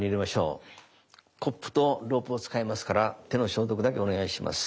コップとロープを使いますから手の消毒だけお願いします。